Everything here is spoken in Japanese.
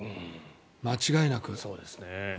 間違いなく。